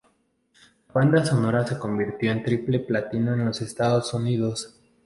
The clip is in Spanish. La banda sonora se convirtió en triple platino en los Estados Unidos.